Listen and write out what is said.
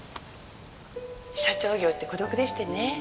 社長業って孤独でしてね